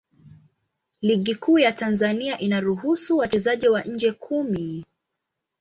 Ligi Kuu ya Tanzania inaruhusu wachezaji wa nje kumi.